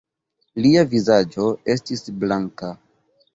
Lia vizaĝo estis blanka.